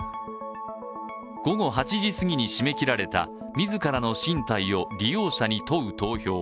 午後８時すぎに締め切られた自らの進退を利用者に問う投票。